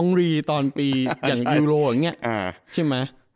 รีตอนปีอย่างยูโรอย่างนี้ใช่ไหม